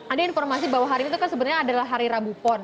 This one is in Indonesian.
ada informasi bahwa hari ini itu kan sebenarnya adalah hari rabu pon